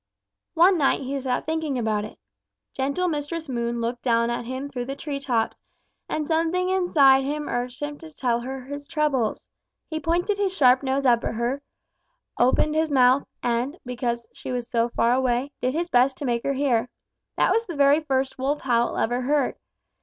"One night he sat thinking about it. Gentle Mistress Moon looked down at him through the tree tops, and something inside him urged him to tell her his troubles. He pointed his sharp nose up at her, opened his mouth and, because she was so far away, did his best to make her hear. That was the very first Wolf howl ever heard.